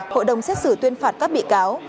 hội đồng xét xử tuyên phạt các bị cáo